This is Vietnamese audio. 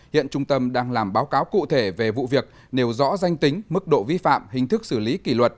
hiện trung tâm đang làm báo cáo cụ thể về vụ việc nêu rõ danh tính mức độ vi phạm hình thức xử lý kỷ luật